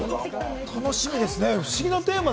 楽しみですね。